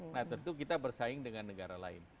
nah tentu kita bersaing dengan negara lain